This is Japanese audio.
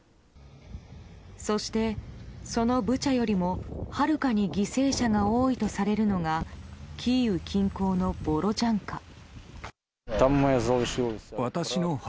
そして、そのブチャよりもはるかに犠牲者が多いとされるのがキーウ近郊のボロジャンカ。